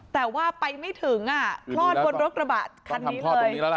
แต่ว่าไปไม่ถึงคลอดบนรถกระบะคันนี้เลย